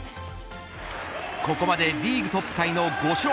ここまでリーグトップタイの５勝。